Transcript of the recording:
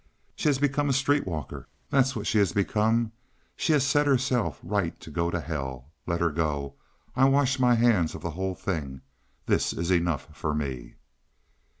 She has become a street walker, that's what she has become. She has set herself right to go to hell. Let her go. I wash my hands of the whole thing. This is enough for me."